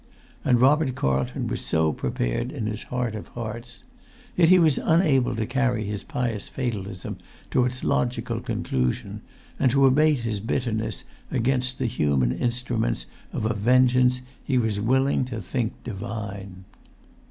And Robert Carlton was so prepared in his heart of hearts. Yet he was unable to carry his pious fatalism to its logical conclusion, and to abate his bitterness against the human instruments of a vengeance he was willing to think Divine.